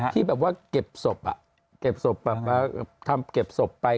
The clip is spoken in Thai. ที่แบบว่าเก็บศพเก็บศพมาทำเก็บศพไป